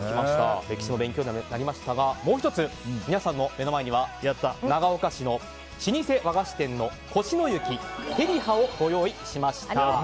勉強にもなりましたがもう１つ皆さんの目の前には長岡市の老舗和菓子店の越乃雪、照葉をご用意しました。